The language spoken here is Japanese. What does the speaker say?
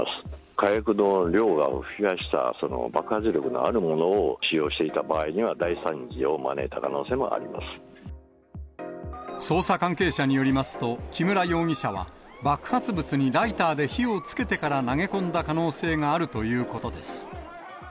火薬の量を増やした、爆発力があるものを使用していた場合には、捜査関係者によりますと、木村容疑者は、爆発物にライターで火をつけてから投げ込んだ可能性があるということです。